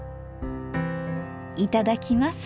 いただきます。